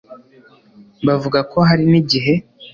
Bavuga ko hari n'igihe